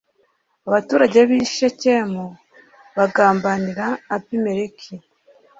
abaturage b'i shekemu bagambanira abimeleki